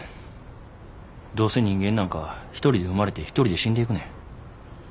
どうせ人間なんか一人で生まれて一人で死んでいくねん。